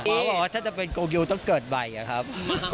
พ่อบอกว่าถ้าจะเป็นโกยูต้องเกิดใบครับ